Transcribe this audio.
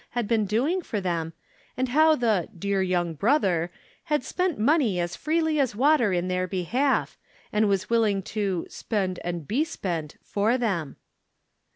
had been doing for them, and how the " dear young brother " had spent money as freely as water in their behalf, and was willing to " spend and be spent" for them.